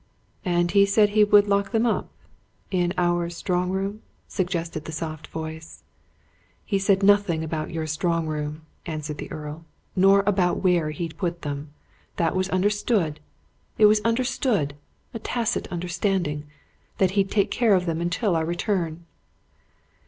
"And he said he would lock them up? in our strong room?" suggested the soft voice. "He said nothing about your strong room," answered the Earl. "Nor about where he'd put them. That was understood. It was understood a tacit understanding that he'd take care of them until our return."